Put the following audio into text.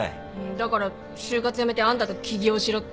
だから就活やめてあんたと起業しろって？